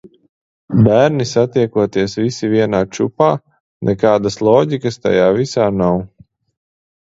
Bērni satiekoties visi vienā čupā, nekādas loģikas tajā visā nav.